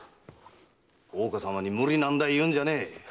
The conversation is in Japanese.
大岡様に無理難題を言うんじゃねえ。